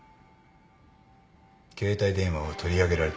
携帯電話は取り上げられてる。